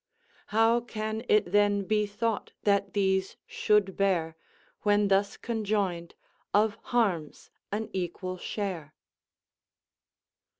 How can it then be thought that these should bear, When thus conjoined, of harms an equal share?"